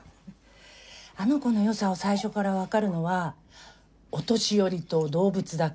あの子の良さを最初からわかるのはお年寄りと動物だけ。